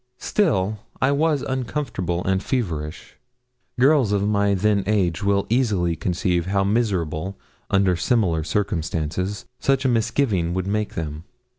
Still I was uncomfortable and feverish girls of my then age will easily conceive how miserable, under similar circumstances, such a misgiving would make them.